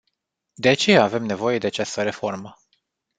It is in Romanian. De aceea avem nevoie de această reformă.